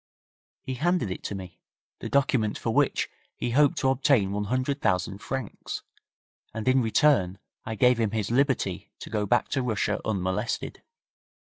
He handed it to me, the document for which he hoped to obtain one hundred thousand francs, and in return I gave him his liberty to go back to Russia unmolested.